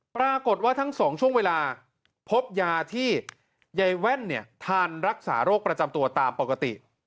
ปรากฏว่าทั้งสองช่วงเวลาพบยาที่ใยแว่นเนี่ยทานรักษาโรคประจำตัวตามปกติ